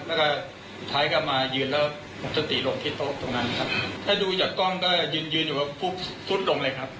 แล้วก็ท้ายกลับมายืนแล้วหมดสติลงที่โต๊ะตรงนั้นครับถ้าดูจากกล้องก็ยืนยืนอยู่ฟุบลงเลยครับ